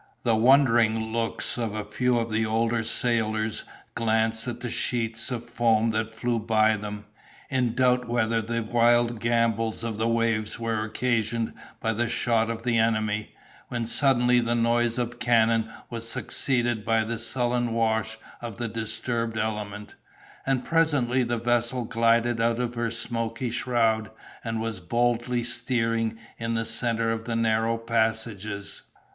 The wondering looks of a few of the older sailors glanced at the sheets of foam that flew by them, in doubt whether the wild gambols of the waves were occasioned by the shot of the enemy, when suddenly the noise of cannon was succeeded by the sullen wash of the disturbed element, and presently the vessel glided out of her smoky shroud, and was boldly steering in the centre of the narrow passages.